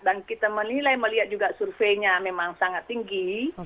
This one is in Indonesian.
dan kita menilai melihat juga surveinya memang sangat tinggi